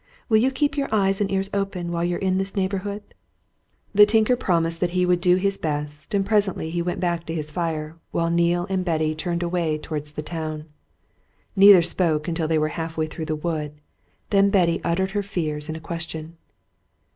Will you keep your eyes and ears open while you're in this neighbourhood?" The tinker promised that he would do his best, and presently he went back to his fire, while Neale and Betty turned away towards the town. Neither spoke until they were half way through the wood; then Betty uttered her fears in a question.